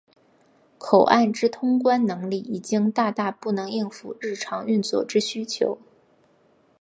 口岸之通关能力已经大大不能应付日常运作之需求。